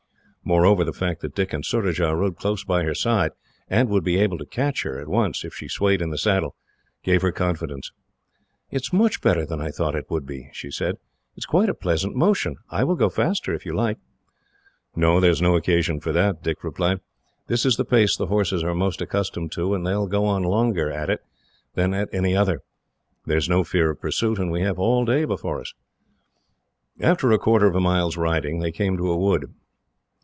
Moreover, the fact that Dick and Surajah rode close by her side, and would be able to catch her, at once, if she swayed in the saddle, gave her confidence. "It is much better than I thought it would be," she said. "It is quite a pleasant motion. I will go faster, if you like." "No, there is no occasion for that," Dick replied. "This is the pace the horses are most accustomed to, and they will go on longer, at it, than at any other. There is no fear of pursuit, and we have all day before us." After a quarter of a mile's riding, they came to a wood.